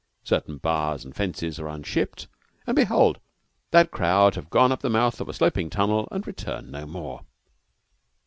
Certain bars and fences are unshipped, and behold! that crowd have gone up the mouth of a sloping tunnel and return no more.